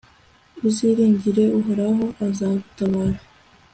uziringire uhoraho, azagutabara